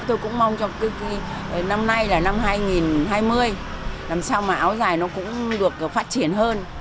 tôi cũng mong cho năm nay là năm hai nghìn hai mươi làm sao mà áo dài nó cũng được phát triển hơn